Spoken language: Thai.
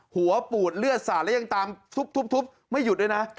หัวปูดเลือดสาดแล้วยังตามทุบไม่หยุดด้วยนะ